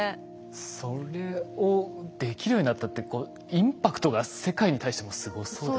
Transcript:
それをできるようになったってインパクトが世界に対してもすごそうですね。